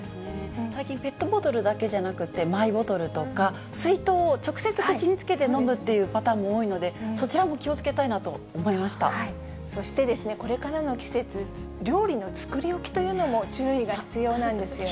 最近、ペットボトルだけじゃなくて、マイボトルとか、水筒を直接口につけて飲むっていうパターンも多いので、そちらも気をつけたいなそして、これからの季節、料理の作り置きというのも注意が必要なんですよ